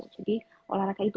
jadi olahraga itu